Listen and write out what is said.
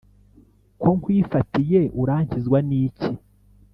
ko nkwifatiye, urankizwa n'iki ?